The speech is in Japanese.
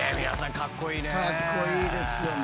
かっこいいですよね。